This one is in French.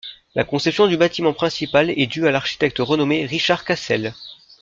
La conception du bâtiment principal est dû à l’architecte renommé Richard Cassels.